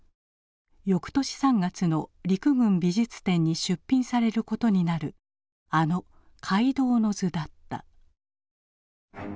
翌年３月の陸軍美術展に出品されることになるあの「皆働之図」だった。